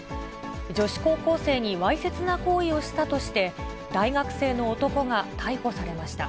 女子高校生にわいせつな行為をしたとして、大学生の男が逮捕されました。